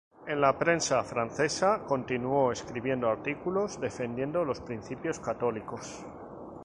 En la prensa francesa continuó escribiendo artículos defendiendo los principios católicos.